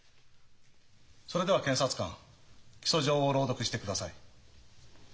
それでは検察官起訴状を朗読してください。